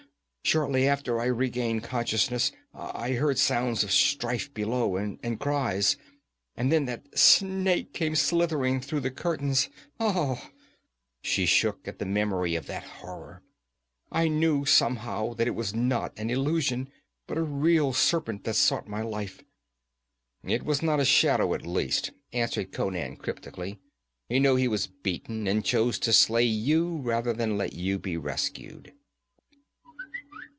Shortly after I regained consciousness I heard sounds of strife below, and cries, and then that snake came slithering through the curtains ah!' She shook at the memory of that horror. 'I knew somehow that it was not an illusion, but a real serpent that sought my life.' 'It was not a shadow, at least,' answered Conan cryptically. 'He knew he was beaten, and chose to slay you rather than let you be rescued.'